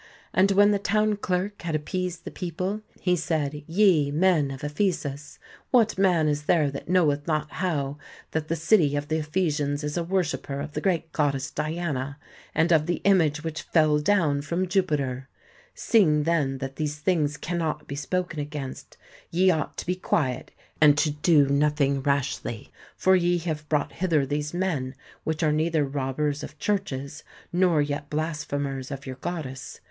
... And when the town clerk had appeased the people, he said, Ye men of Ephesus, what man is there that knoweth not how that the city of the Ephesians is a worshipper of the great goddess Diana, and of the image which fell down from Jupiter? Seeing then that these things cannot be spoken against, ye ought to be quiet, and to do nothing rashly. For ye have brought hither these men, which are neither robbers THE TEMPLE OF DIANA 121 of churches, nor yet blasphemers of your goddess